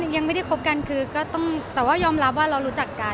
อย่างไม่ได้พบกันแต่ยอมรับว่ารู้จักกัน